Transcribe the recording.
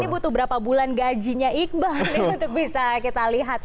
betul ini butuh berapa bulan gajinya iqbal untuk bisa kita lihat ya